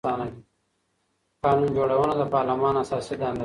قانون جوړونه د پارلمان اساسي دنده ده